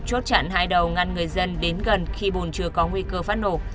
chốt chặn hai đầu ngăn người dân đến gần khi bồn chưa có nguy cơ phát nổ